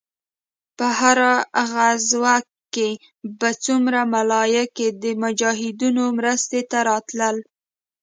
په هره غزوه کښې به څومره ملايک د مجاهدينو مرستې ته راتلل.